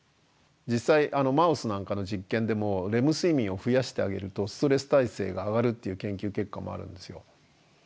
実際マウスなんかの実験でもレム睡眠を増やしてあげるとストレス耐性が上がるっていう研究結果もあるんですよ。